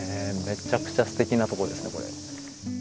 めちゃくちゃすてきなとこですねこれ。